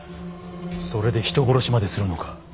それで人殺しまでするのか？